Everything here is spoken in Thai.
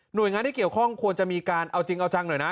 โดยงานที่เกี่ยวข้องควรจะมีการเอาจริงเอาจังหน่อยนะ